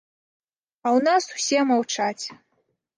А ў нас усе маўчаць.